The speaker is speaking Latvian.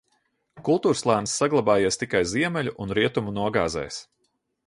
Kultūrslānis saglabājies tikai ziemeļu un rietumu nogāzēs.